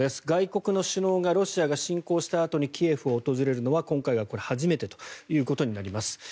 外国の首脳がロシアが侵攻したあとにキエフを訪れるのは今回が初めてとなります。